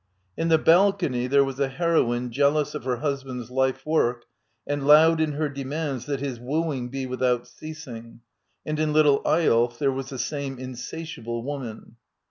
In "The Balcony" there was a heroine jealous of her husband's life work and loud in her demands that his wooing be without ceasing, and in " Little Eyolf " there was the same insatiable woman.